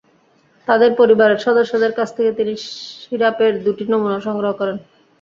তাদের পরিবারের সদস্যদের কাছ থেকে তিনি সিরাপের দুটি নমুনা সংগ্রহ করেন।